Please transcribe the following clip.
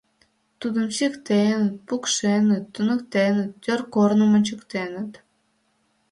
Тудым чиктеныт, пукшеныт, туныктеныт, тӧр корным ончыктеныт.